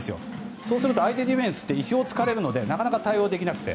そうすると相手ディフェンスって意表を突かれるのでなかなか対応できなくて。